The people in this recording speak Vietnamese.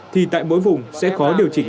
thì tại mỗi vùng sẽ khó điều chỉnh